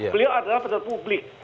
beliau adalah pejabat publik